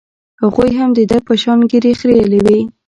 هغوى هم د ده په شان ږيرې خرييلې وې.